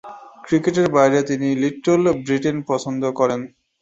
ক্রিকেটের বাইরে তিনি ‘লিটল ব্রিটেন’ পছন্দ করেন।